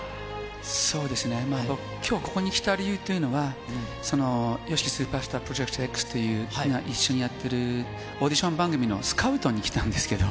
そうですね、僕、きょう、ここに来た理由というのは、ＹＯＳＨＩＫＩスーパースタープロジェクトＸという、一緒にやっているオーディション番組のスカウトに来たんですけど。